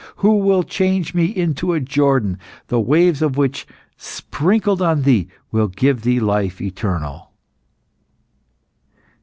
Who will change me into a Jordan, the waves of which sprinkled on thee, will give thee life eternal?"